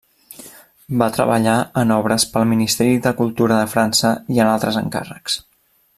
Va treballar en obres pel Ministeri de Cultura de França i en altres encàrrecs.